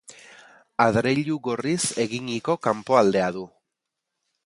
Adreilu gorriz eginiko kanpoaldea du.